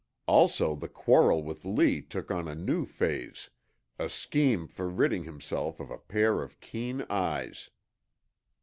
Also the quarrel with Lee took on a new phase, a scheme for ridding himself of a pair of keen eyes.